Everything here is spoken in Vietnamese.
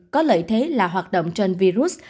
có lợi thế là hoạt động trên virus